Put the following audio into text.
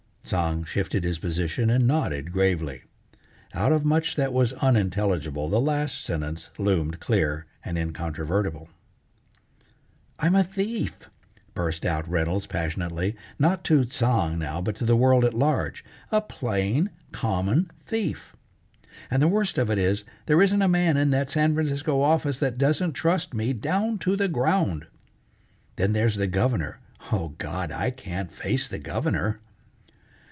Tsang shifted his position and nodded gravely. Out of much that was unintelligible, the last statement loomed clear and incontrovertible. "I'm a thief!" burst out Reynolds passionately, not to Tsang now, but to the world at large, "a plain, common thief. And the worst of it is there isn't a man in that San Francisco office that doesn't trust me down to the ground. Then there's the Governor. O God! I can't face the Governor!"